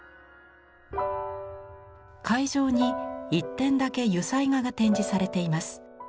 会場に１点だけ油彩画が展示されています。